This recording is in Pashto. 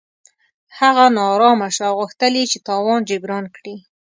هغه نا ارامه شو او غوښتل یې چې تاوان جبران کړي.